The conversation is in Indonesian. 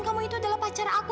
kamu itu adalah pacar aku